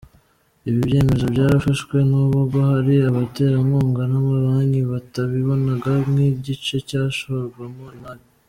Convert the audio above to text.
Ibi byemezo byarafashwe nubwo hari abaterankunga n’amabanki batabibonaga nk’igice cyashorwamo imari.”